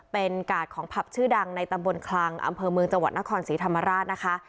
เป็นกาดของผับชื่อดังในตำบลคลังอำเภอเมืองจังหวัดนครศรีธรรมราชนะคะ